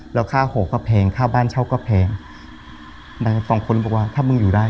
แล้วค่าหอก็แพงค่าบ้านเช่าก็แพงสองคนบอกว่าถ้ามึงอยู่ได้